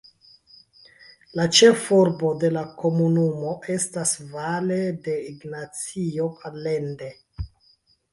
La ĉefurbo de la komunumo estas Valle de Ignacio Allende.